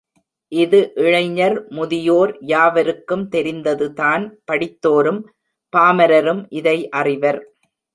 இது இளைஞர் முதியோர் யாவருக்கும் தெரிந்ததுதான் படித்தோரும் பாமரரும் இதை அறிவர்.